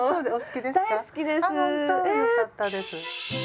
よかったです。